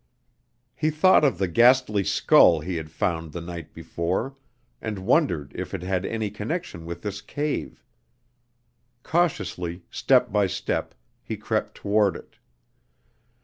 He thought of the ghastly skull he had found the night before, and wondered if it had any connection with this cave. Cautiously, step by step, he crept toward it.